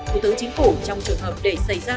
thủ tướng chính phủ trong trường hợp để xảy ra